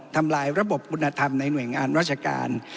ทำลายระบบคุณธรรมในหน่วยงานราชการ